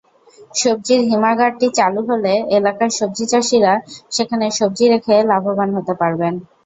সবজির হিমাগারটি চালু হলে এলাকার সবজিচাষিরা সেখানে সবজি রেখে লাভবান হতে পারবেন।